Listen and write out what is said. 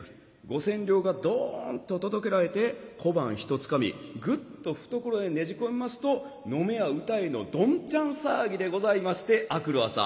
五千両がどんと届けられて小判ひとつかみぐっと懐へねじ込みますと飲めや歌えのどんちゃん騒ぎでございまして明くる朝。